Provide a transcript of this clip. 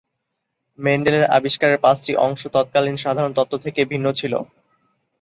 মেন্ডেলের আবিষ্কারের পাঁচটি অংশ তৎকালীন সাধারণ তত্ত্ব থেকে ভিন্ন ছিলো।